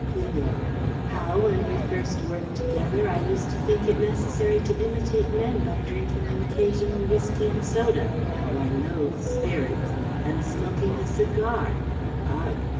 Vivie: "How, when we first worked together, I used to think it necessary to imitate men by drinking an occasional whiskey and soda though I loathe spirits and smoking a cigar ugh!